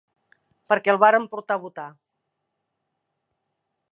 Perquè'l varen portar a votar